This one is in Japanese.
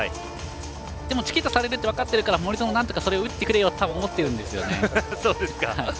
でもチキータされるって分かってるから森薗なんとかそれを打ってくれよって多分、思ってるんですよね。